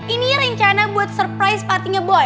ini rencana buat surprise partinya boy